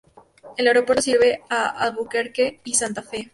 El aeropuerto sirve a Albuquerque y Santa Fe.